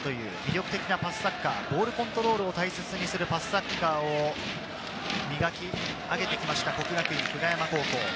「美しく勝て」という魅力的なパスサッカー、ボールコントロールを大切にするパスサッカーを磨き上げてきました、國學院久我山高校。